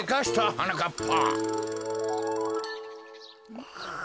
はなかっぱ。